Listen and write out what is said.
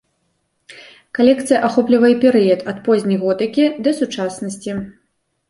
Калекцыя ахоплівае перыяд ад позняй готыкі да сучаснасці.